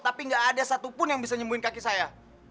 tapi nggak ada satupun yang bisa nyembuhin kaki saya